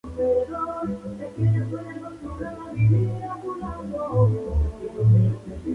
La mayoría de la población de Innsbruck es de ascendencia tirolesa.